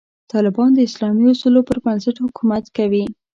طالبان د اسلامي اصولو پر بنسټ حکومت کوي.